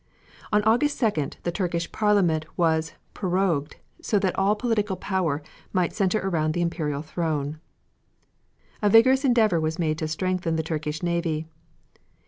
On August 2d the Turkish Parliament was prorogued, so that all political power might center around the Imperial throne. A vigorous endeavor was made to strengthen the Turkish navy.